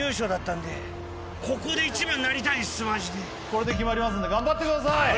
かなりこれで決まりますんで頑張ってください！